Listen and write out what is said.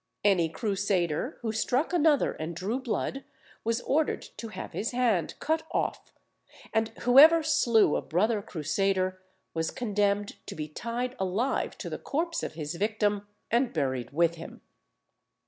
Any Crusader, who struck another and drew blood, was ordered to have his hand cut off; and whoever slew a brother Crusader was condemned to be tied alive to the corpse of his victim, and buried with him.